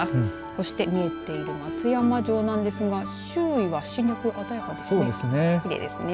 そして見えている松山城なんですが周囲は鮮やかですね。